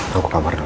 kau ke kamar dulu